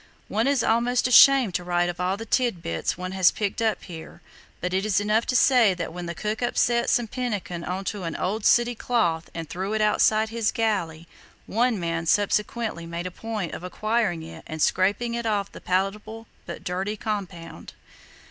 One is almost ashamed to write of all the titbits one has picked up here, but it is enough to say that when the cook upset some pemmican on to an old sooty cloth and threw it outside his galley, one man subsequently made a point of acquiring it and scraping off the palatable but dirty compound."